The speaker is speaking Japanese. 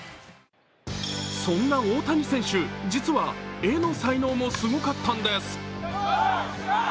そんな大谷選手、実は絵の才能もすごかったんです。